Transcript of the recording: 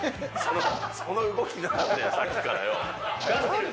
その動きなんだよ、さっきからよ。